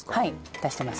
出してます。